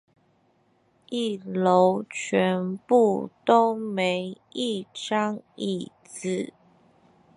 一樓全部都沒一張椅子